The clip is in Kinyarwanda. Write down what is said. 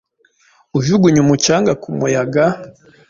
Ujugunya umucanga ku muyaga,